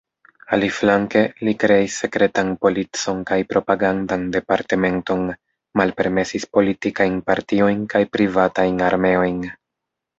Aliflanke, li kreis sekretan policon kaj propagandan departementon, malpermesis politikajn partiojn kaj privatajn armeojn.